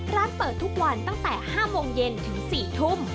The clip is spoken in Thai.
ร้านเปิดทุกวันตั้งแต่๕โมงเย็นถึง๔ทุ่ม